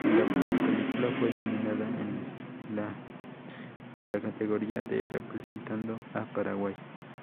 La película fue nominada en la en la categoría de representando a Paraguay.